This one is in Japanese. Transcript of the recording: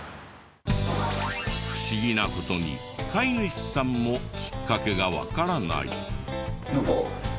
不思議な事に飼い主さんもきっかけがわからない。